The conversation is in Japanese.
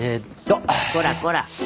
こらこら。